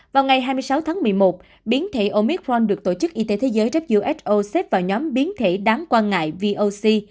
vào ngày hai mươi sáu tháng một mươi một biến thể omitforn được tổ chức y tế thế giới who xếp vào nhóm biến thể đáng quan ngại voc